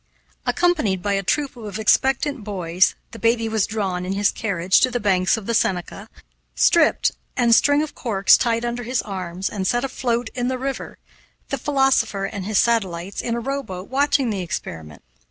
Accompanied by a troop of expectant boys, the baby was drawn in his carriage to the banks of the Seneca, stripped, the string of corks tied under his arms, and set afloat in the river, the philosopher and his satellites, in a rowboat, watching the experiment.